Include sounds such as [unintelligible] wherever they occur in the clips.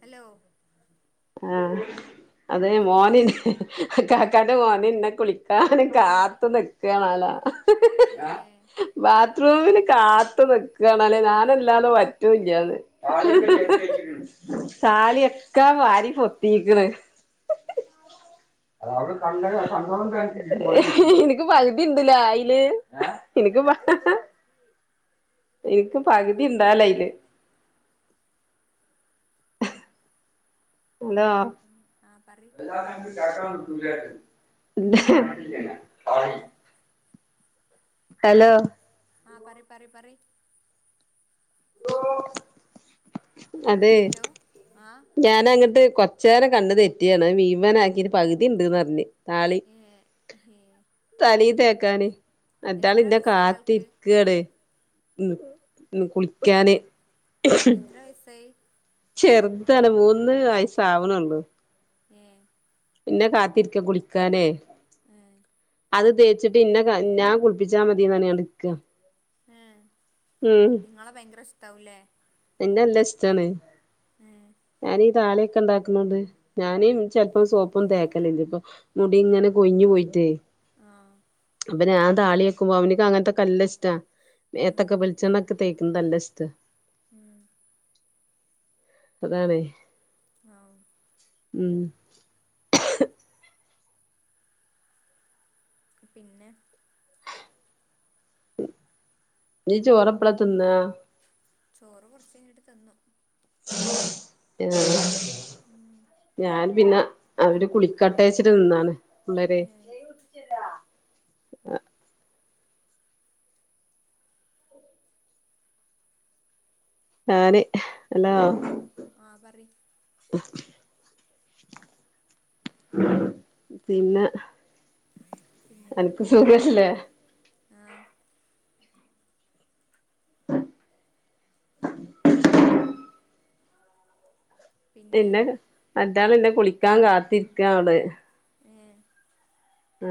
Hello ആ അതെ മോന് കേക്കണില്ല ക്കാന്റ മോന് ന്നെ കുളിക്കാന് കാത്തു നിക്കാണാല ഏ ബാത് ബാത്രുമിന് കാത്തു നിക്കുവാണല്ലേ ഞാനല്ലാതെ പറ്റൂല്ല്യാന്ന് ഏ ഹിഹിഹി സാലിയൊക്ക വാരി പൊത്തീക്കണ് [inaudible] [unintelligible] ഇനിക്ക് പകുതി ഉണ്ടലായ്ല് എനിക്ക് [inaudible] എനിക്ക് പകുതി ഇണ്ടാലയ്‌ല് ഹലോ [inaudible] ആ പറി ഹലോ ആ പറയ്പറയ് പറയ് [inaudible] ഹലോ ആ ഞാൻ അങ്ങിട്ട് കൊറച്ച് നേരം കണ്ണ് തെറ്റിയാണ് മീവന ആക്കി ഒരു പകുതി ഉണ്ട്ന്ന് പറഞ്ഞു താളി ഏ ഏ തലേ തേക്കാന് മറ്റാള് എത്ര ന്നെ വയസ്സായി ആൾക്ക് കാത്തിരിക്കാണ് ഒന്ന് കുളിക്കാന് ഏ എത്ര വയസ്സായി ചെറ്താണ് മൂന്ന് വയസ് ആവണേള്ളു ഏ പിന്നെ കാത്തിരിക്ക കുളിക്കാനേ. ആഹ്. അത് തേച്ചിട്ട് ഇന്നെ നാ കുളിപ്പിച്ചാ മതിന്നറഞ്ഞണ്ട് നിക്കാ ഉം ഏ ങ്ങളെ ഭയങ്കര ഇഷ്ടാവുലേ? നെല്ലഷ്ട്ടാണ്. ഏ ഞാനി താളി ക്കണ്ടാക്കുന്നോണ്ട് ഞാനും ചെൽപ്പോം സോപ്പും തേക്കലില്ല ഇപ്പൊ മുടി ഇങ്ങനെ കൊയിഞ്ഞു പോയിട്ടേ. ആഹ്. പ്നാ താളിഏക്കുമ്പോ അവനക്ക് അങ്ങൻത്തെകേ നല്ലിഷ്ട ഉം മേത്തൊക്കെ ബെൽച്ചണ്ണ ത്തേക്ക്ന്നല്ലിഷ്ട. ഉം അതാണേ. ആ ഉം. പിന്നെ നീച്ചോറെപ്പളതിന്നാ? ചോറ് കൊർച്ചയിഞ്ഞട്ട് തിന്നും. ഏ. ഉം ഞാൻ പിന്നെ അവര് കുളിക്കാട്ടേച്ചിട്ട് നിന്നാണ്. ഏ [unintelligible] ആ ആന് ഹലോ. ഉം ആ പറി പിന്നെ പിന്നിങ്ങനെ അൻക്ക് പോണ് സുഖല്ലേ? ആ [unintelligible] പിന്നെ മറ്റാള്നെ കുളിക്കാ കാത്തിരിക്കാടെ. ഏ ആ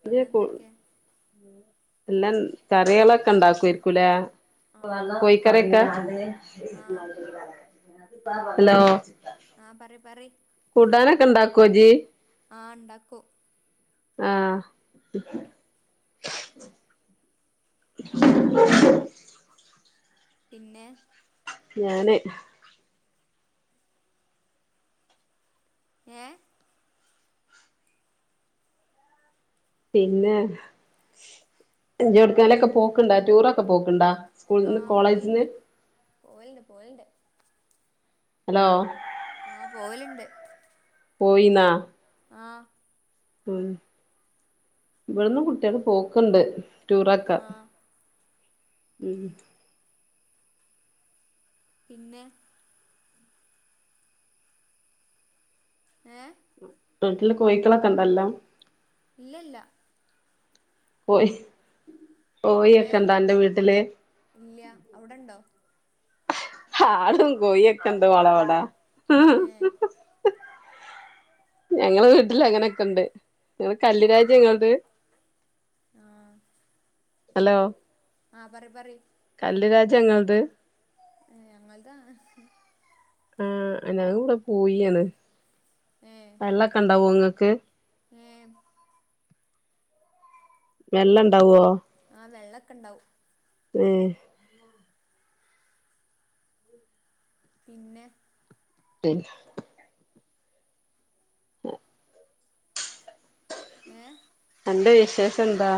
പിന്നെ എന്തൊക്കെ? എല്ല കറിയേളൊക്കെണ്ടാക്ക്വര്ക്കൂലേ ആഹ് കോഴിക്കറ്യോക്കെ? ആഹ് ഹലോ ആഹ് പറി പറി കൂട്ടാനൊക്കെണ്ടാക്കോ ജി? ആ ണ്ടാക്കും. ആ. [unintelligible] പിന്നെ ഞാന് ഏ? പിന്നെ ജ്ജ്‌ ഏടുക്കേലൊക്കെ പോക്ക്ണ്ടാ ടൂറൊക്കെ പോക്ണ്ടാ? സ്കൂള് ന്ന് കോളേജിന്ന്? പോവൽണ്ട് പോവൽണ്ട് ഹലോ ആഹ് പോവല്ണ്ട് പോയിന്നാ? ആ ഉ ഇവിടന്ന് കുട്ടികള് പോക്ക്ണ്ട് റ്റൂറൊക്കെ ആഹ് ഉം പിന്നെ ഏ വീട്ടില് കൊയിക്കളൊക്കെ ണ്ടല്ലോ? ഇല്ലല്ല കോയി ഏഹ് കോഴക്കെണ്ടോ അൻറെ വീട്ടില്? ഇല്ല അവിടെണ്ടോ ആടും കോഴൊക്കെണ്ട് മോളെവ്ടെ ഏഹ് ഞങ്ങള് വീട്ടില് അങ്ങനെക്കെ ണ്ട് നിങ്ങള് കല്ല് ഏഹ് രാജ ഇങ്ങളത് ഹലോ ആ പറി പറി കല്ല് രാജ്യ ങ്ങളത് ഞങ്ങൾതാണ് ആ ഞാങ്ങള ഇവിടെ പൂയി ആണ് വെള്ളക്കണ്ടാവോ നിങ്ങക്ക് ഏ വെള്ള ഇണ്ടാവോ? ആ വെള്ളൊക്കെ ഇണ്ടാവും ഏഹ് പിന്നെ പിന്നെ ഏഹ് അന്റെ വിശേഷം എന്താ?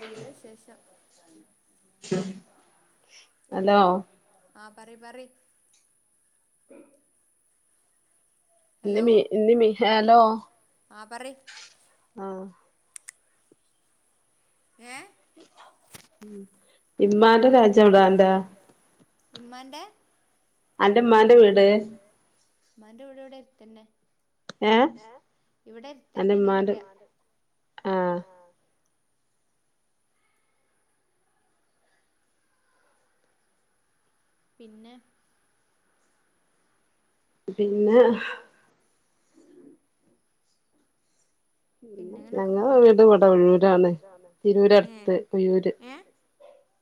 നല്ല വിശേഷം ഹലോ ആ പറി പറി ന്ന് ഹലോ മീ ന്ന് മീ ഹലോ ആ പറി ആ ഏ ഇമ്മാന്റെ രാജ്യം എവിടാ അന്റെ ഇമ്മാന്റെ അന്റെമ്മാന്റെ വീട് മ്മാന്റെ വീട് ഇവിടെ എര്ത്തന്നെ ഏഹ് ഇവിടെ ര് അന്റെ ത്തന്നെയന്ന് ഇമ്മാന്റെ പറയാ ആഹ് ആ പിന്നെ പിന്നെ പിന്നെങ്ങനൊക്കെ ഞങ്ങളെ പോണ വീട് ഇവിടെ ഒഴൂരാണ് തിരൂരടുത്ത് ഏഹ് ഒഴൂര് ഏഹ്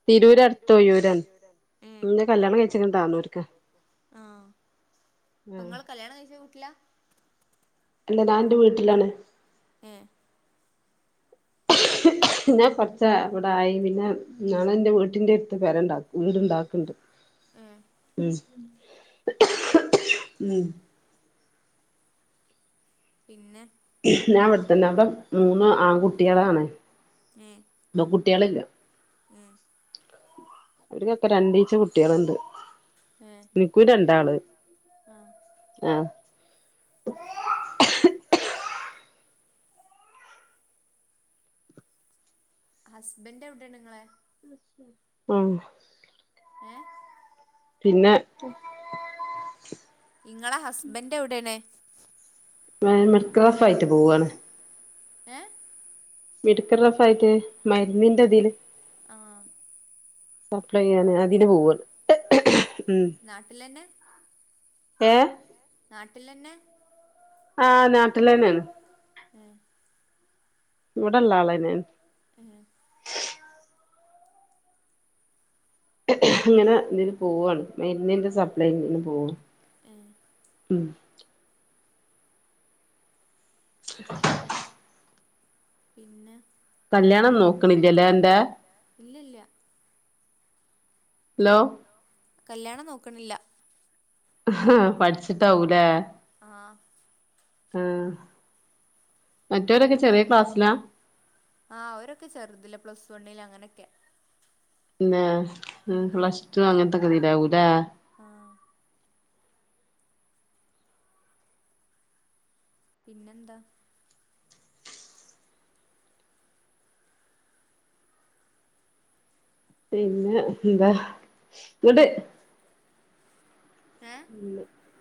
തിരൂരടുത്ത് തിരൂർ അടുത്ത് ഒഴൂരാണ് ഓഴിയൂർ ആണ് ഇന്നെ കല്യാണം എന്നെ കല്ല്യാണം കഴിച്ച്ക്ക്ണ് കഴിച്ചത് താന്നൂര്ക്കാ താനൂർക്ക് ആഹ് നിങ്ങള് കല്യാണം കഴിച്ച വീട്ടില അല്ല ഞാൻ ന്റെ വീട്ടിലാണ് എഏ ന്നാൻ കുറച്ച് ഇവിടെ ആയി പിന്നെ ഞങ്ങളെന്റെ വീട്ടിന്റെ അടുത്ത് പേരുണ്ടാക്കി വീടുണ്ടാക്കി ക്കണ്ട് [unintelligible] ഉം ഉം പിന്നെ ഞാൻ ഇവിടത്തന്നെ അവിടെ മൂന്ന് ആൺകുട്ടികളാണ്. ഉം ഇ കുട്ടികളില്ല ഉം അവർക്കൊക്കെ രണ്ടീച്ച കുട്ടികളുണ്ട് ഏ എനിക്കും രണ്ടാള് ആ ആഹ ഹസ്ബൻഡ് എവിടെയാണ് നിങ്ങളെ? ഉം ഏഹ് പിന്നെ നിങ്ങളെ ഹസ്ബൻ് എവിടെണ്? മെക്കഫ് ആയിട്ട് പോവാണ് ഏഹ് മെഡിക്കൽ റഫ് ആയിട്ട് മരുന്നിന്റെ തിൽ ആഹ് സപ്ലൈ ചെയ്യാന് അതിന് പോവും നാട്ടിലന്നെ ഏഹ് നാട്ടിലന്നെ ആഹ് നാട്ടിലെന്നെയാണ് ഉം ഇവടെള്ളാളെന്നേണു ഉം അങ്ങനെ പിന്നെ ഇതിന് പോവണ് മര്ന്നിന്റെ സപ്ലൈ ന് പോവ എഹ് ഉം [inaudible] പിന്നെ കല്യാണം നോക്കണില്ലല്ലേ അന്റെ ഇല്ലല്ല ഹലോ കല്യാണം നോക്കണില്ല ആഹ് പഠിച്ചിട്ടാവുലെ ആഹ് ആഹ് മറ്റോരൊക്കെ ചെറിയ ക്ലാസ്സിലാ ആഹ് അവരൊക്കെ ചെറുതില പ്ലസ് വണ്ണിൽ അങ്ങനെക്കെ പിന്നെ പ്ലസ്ടു അങ്ങനതൊക്കെത്തിലാകും ലെ ആഹ് പിന്നെന്താ പിന്നെ എന്താ ഇങ്ങട്ട് ഏ [inaudible]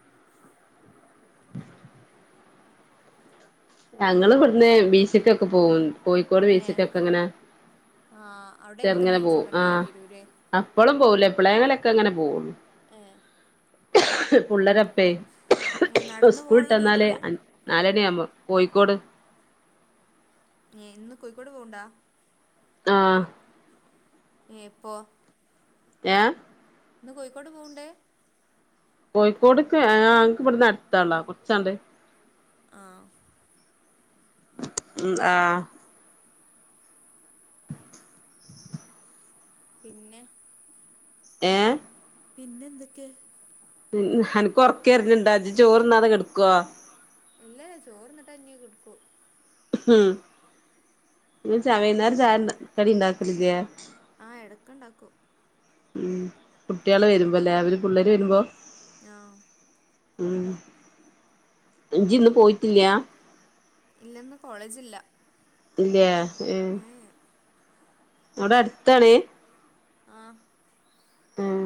[inaudible] ഞങ്ങൾ ഇവിടുന്ന് ബീച്ച്ക്കൊക്കെ പോകും കോഴിക്കോട് ഏ ബീച്ചക്കൊക്കെ ങ്ങനെ ആഹ് അവിടെ അടുത്ത് ചെറുങ്ങനെ പോവും ബീച്ചൊക്കെ ആ ഉണ്ടല്ലേ തിരൂര് അപ്പളും പോവൂല എപ്പളെലൊക്കെങ്ങനെ പോകുള്ളു ഏഹ് പുള്ളേരപ്പെയ് ഏ നടന്നു പോകാനുള്ള സ്കൂളിട്ടന്നാലേ ദൂരള്ളൂ നാലാണിയാവുമ്പോ കോഴിക്കോട് ഏഹ് ഇന്ന് കോഴിക്കോട് പോവിണ്ട ആഹ് എപ്പോ ആഹ് ഇന്ന് കോഴിക്കോട് പോവണ്ടേ കോഴിക്കോട്ക്കെ ആ ഞങ്ങക്ക് ഇവിടന്ന് അടുത്താണ്ല്ലോ കൊറച്ചങ്ങട്ട് ആഹ് ഉം ആഹ് പിന്നെ ഏഹ് പിന്നെന്തൊക്കെ അനക്ക് ഒറക്കെരിണിണ്ടോ ഇജ്ജ് ചോറ്ന്നാതെ കെടക്കുവോ ഇല്ലേ ചോറിന്നിട്ടെന്നെ കെടക്കു ഉം വൈന്നേരം ചായണ്ട കടിണ്ടാക്കലില്ലേ ആഹ് എടക്ക്ണ്ടാക്കും ഉം കുട്ട്യാള് വരുമ്പോ ല്ലേ അവര് പുള്ളേര് വരുമ്പോ ആഹ് ഉം ഇജ്ജ് ഇന്ന് പോയിട്ടില്ല ഇല്ലന്ന് കോളേജില്ല ഇല്ലേ ഏഹ് ഏ അവിടെ അടുത്താണ് ആഹ് ആഹ്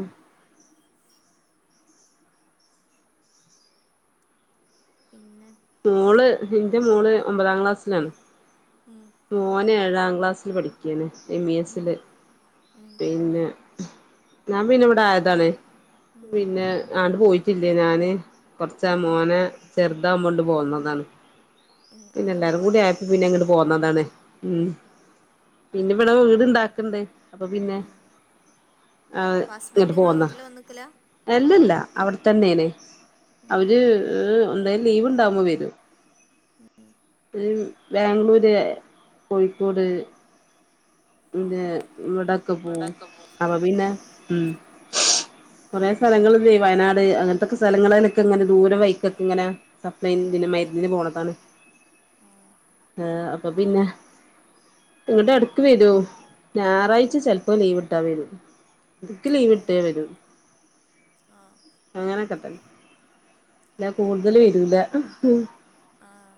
പിന്നെ മോള് എന്റെ മോള് ഒമ്പതാം ക്ലാസ്സിലാണ് ഉം മോന് ഏ ഏഴാം ക്ലാസ്സിൽ പഠിക്കാണ് എം ഇ ഉം എസില് ഉം പിന്നെ ഞാൻ പിന്നെ ഇവിടെ ആയതാണേ ഉം പിന്നെ ആ പോയിട്ടില്ലേ ഞാന് കൊറച്ച് മോനെ ചെറുതാവൊണ്ട് പോന്നതാണ് ഉം പിന്നെ അതെന്താ എല്ലാരും കൂടി പോവാത്തെ ആയപ്പ പിന്നെ ഇങ്ങട് പോന്നതാണ് ഉം പിന്നിവിടെ വീട് ഇണ്ടാക്കണ്ട് അപ്പ പിന്നെ ഉം അപ്പൊ ഹസ്ബൻഡ് ഇങ്ങോട്ട് നിങ്ങളെ പോന്നതാ വീട്ടില് വന്നിക്കല അല്ലല്ല അവിടെ തന്നെയാണ് ഉം അവര് എന്തായാലും ലീവ് ഉണ്ടാവുമ്പോ വരൂം ഉം ബാംഗ്ലൂര് കോഴിക്കോട് ആ പിന്നെ ഇവിടൊക്കെ പോ അപ്പൊ ആ പിന്നെ ഉം കുറെ സ്ഥലങ്ങള് ഇല്ലേ വയനാട് അങ്ങനത്തൊക്കെ സ്ഥലങ്ങളലൊക്കെ ഇങ്ങനെ ദൂരെ വൈക്കൊക്കെ ഇങ്ങനെ സപ്ലൈ ആ മരുന്നിന് പോണതാണ് ആ അപ്പൊ പിന്നെ ഇങ്ങട്ട് എടക്ക് വരും ഉം ഞായറാഴ്ച ചിലപ്പോ ലീവ് ഇട്ടാ വരും ഇൻക്ക് ലീവ് ഏ ഇട്ടേ വരൂ ആ അങ്ങനെയൊക്കെ തന്നെ ഞാ കൂടുതലും വരൂല ആഹ്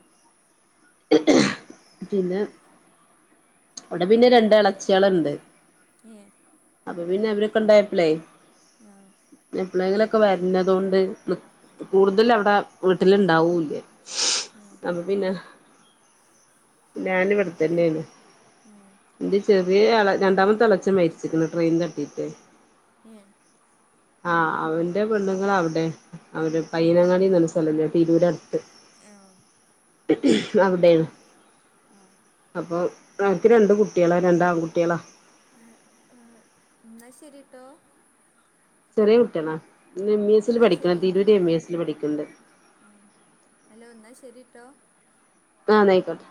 പിന്നെ പിന്നെ ഇങ്ങനൊക്കെ പോണ് കച്ചികളുണ്ട് ഏ അപ്പൊ പിന്നെ അവരൊക്കെ ഉണ്ടായപ്പല്ലേ ആഹ് ളങ്കിലൊക്കെ വരുന്നതൊണ്ട് കൂടുതലും അവിടെ വീട്ടില് ഇണ്ടാവൂല്ല ഉം അപ്പൊ പിന്നെ ഞാൻ ഇവിടെ തന്നെയാണ് ഉം എന്റെ ചെറിയ രണ്ടാമത്തെ അളച്ച മരിച്ചിരിക്കണ് ട്രെയിൻ തട്ടിട്ട് ഏഹ് ആഹ് അവന്റെ പെണ്ണുങ്ങളാ അവിടെ അവര് പയ്യനങ്ങാടിന്ന് പറഞ്ഞ സ്ഥലല്ലേ തിരൂര് അടുത്ത് ആഹ് അവിടെയാണ് ആ [unintelligible] രണ്ട് കുട്ടിയാള രണ്ട് ആൺകുട്ടിയാള ഏ ആ ന്നാ ശരിട്ടോ ചെറിയ കുട്ടിയളാ എം ഇ എസ്ൽ എന്നാ പഠിക്കണ ശരി തിരൂര് എം ഇ എസ്ൽ പഠിക്കണ്ട് ആ അലോ ന്നാ ശരിട്ടോ ആ ന്നായിക്കോട്ടെ